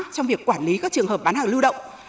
trong việc quản lý các trường hợp bán hàng lưu động